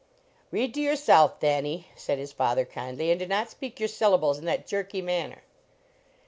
"Read to yourself, Thanny/ said his father kindly, " and do not speak your sylla bles in that jerky manner."